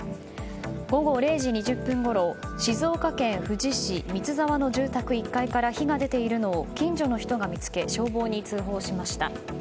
午後０時２０分ごろ静岡県富士市三ツ沢の住宅１階から火が出ているのを近所の人が見つけ、消防に通報しました。